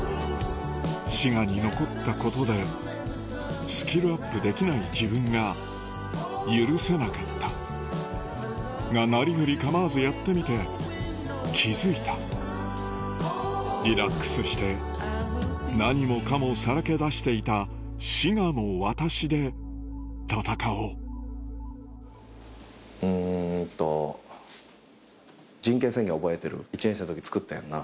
滋賀に残ったことでスキルアップできない自分が許せなかったがなりふり構わずやってみて気付いたリラックスして何もかもさらけ出していた滋賀の私で闘おう１年生の時作ったやんな？